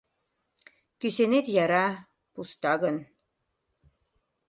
Кӱсенет яра, пуста гын